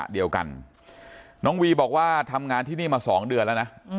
เดียวกันน้องวีบอกว่าทำงานที่นี่มา๒เดือนแล้วนะ